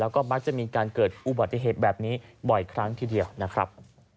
แล้วก็มักจะมีการเกิดอุบัติเหตุแบบนี้บ่อยครั้งทีเดียวนะครับ